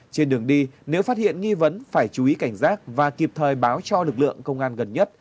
trên đường đi nếu phát hiện nghi vấn phải chú ý cảnh giác và kịp thời báo cho lực lượng công an gần nhất